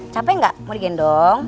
capek gak mau digendong